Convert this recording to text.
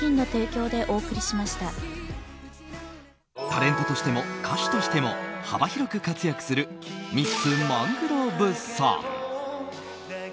タレントとしても歌手としても幅広く活躍するミッツ・マングローブさん。